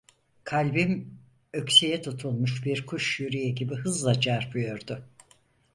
Kalbim, ökseye tutulmuş bir kuş yüreği gibi hızla çarpıyordu.